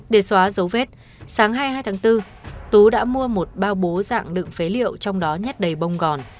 để xóa dấu vết sáng hai mươi hai tháng bốn tú đã mua một bao bố dạng đựng phế liệu trong đó nhất đầy bông gòn